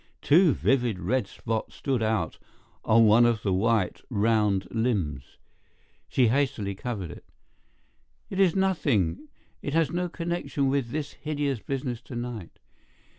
Two vivid red spots stood out on one of the white, round limbs. She hastily covered it. "It is nothing. It has no connection with this hideous business to night.